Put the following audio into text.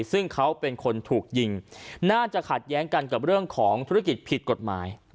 ซึ่งเขาเป็นคนถูกยิงน่าจะขัดแย้งกันกับเรื่องของธุรกิจผิดกฎหมาย